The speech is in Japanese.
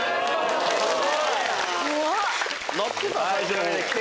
怖っ。